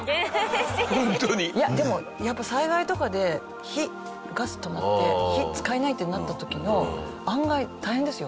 でもやっぱ災害とかで火ガス止まって火使えないってなった時の案外大変ですよ